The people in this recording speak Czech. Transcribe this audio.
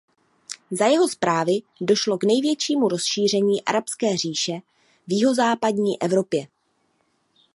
Za jeho správy došlo k největšímu rozšíření Arabské říše v jihozápadní Evropě.